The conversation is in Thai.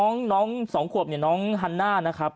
น้อง๒ขวบเนี่ยน้องฮันน่านะครับ